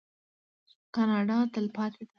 کاناډا تلپاتې ده.